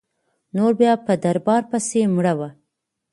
نور بیا په دربار پسي مړه وه.